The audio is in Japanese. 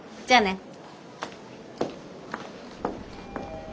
じゃあね。